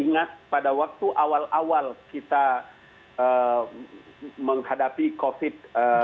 ingat pada waktu awal awal kita menghadapi covid sembilan belas